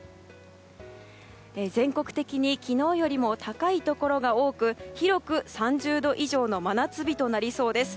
全国的に昨日よりも高いところが多く広く３０度以上の真夏日となりそうです。